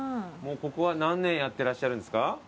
ここは何年やってらっしゃるんですか？